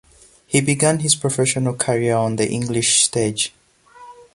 He began his professional career on the English stage.